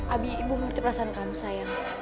abi ibu mau terperasan kamu sayang